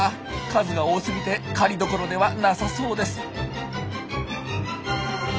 数が多すぎて狩りどころではなさそうです。